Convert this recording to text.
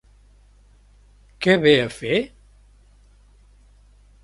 Què ve a fer?